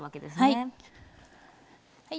はい。